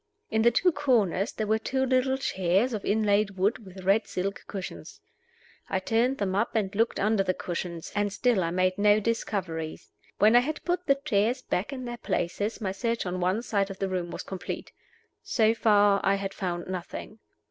In the two corners there were two little chairs of inlaid wood, with red silk cushions. I turned them up and looked under the cushions, and still I made no discoveries. When I had put the chairs back in their places my search on one side of the room was complete. So far I had found nothing.